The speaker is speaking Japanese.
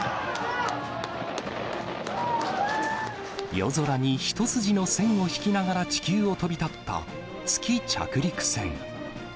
夜空に一筋の線を引きながら、地球を飛び立った月着陸船。